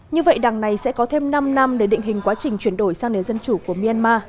như vậy đảng này sẽ có thêm năm năm để định hình quá trình chuyển đổi sang nền dân chủ của myanmar